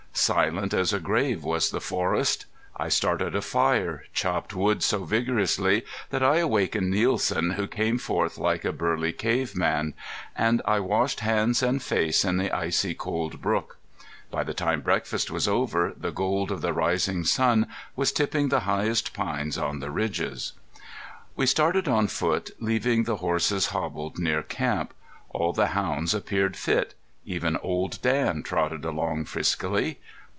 Silent as a grave was the forest. I started a fire, chopped wood so vigorously that I awakened Nielsen who came forth like a burly cave man; and I washed hands and face in the icy cold brook. By the time breakfast was over the gold of the rising sun was tipping the highest pines on the ridges. We started on foot, leaving the horses hobbled near camp. All the hounds appeared fit. Even Old Dan trotted along friskily.